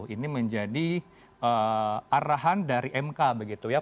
ini menjadi arahan dari mk begitu ya